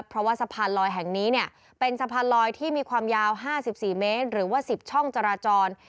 เพราะว่าสะพานลอยแห่งนี้เนี่ยเป็นสะพานลอยที่มีความยาว๕๔เมตรหรือว่า๑๐ช่องจราจร